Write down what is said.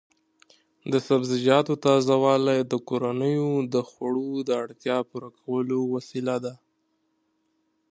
د سبزیجاتو تازه والي د کورنیو د خوړو د اړتیا پوره کولو وسیله ده.